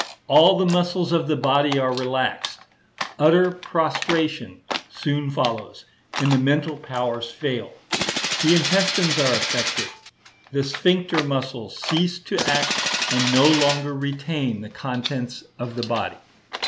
All the muscles of the body are relaxed. Utter prostration soon follows, and the mental powers fail. The intestines are affected. The sphincter muscles cease to act, and no longer retain the contents of the body.